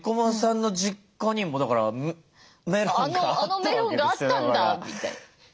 あのメロンがあったんだみたいな。